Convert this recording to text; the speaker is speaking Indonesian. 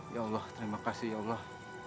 ya allah terima kasih